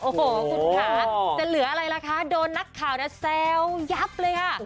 โอ้โหคุณค่ะจะเหลืออะไรล่ะคะโดนนักข่าวแซวยับเลยค่ะ